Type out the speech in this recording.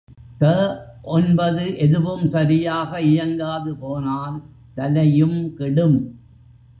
த ஒன்பது எதுவும் சரியாக இயங்காதுபோனால் தலையும் கெடும்.